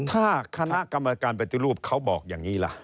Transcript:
ถ้าคณะกรรมการปฏิรูปเขาบอกอย่างนี้ล่ะ